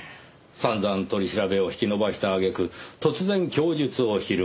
散々取り調べを引き延ばした揚げ句突然供述を翻す。